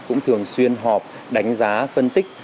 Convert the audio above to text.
cũng thường xuyên họp đánh giá phân tích